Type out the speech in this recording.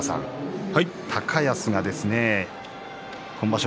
高安が今場所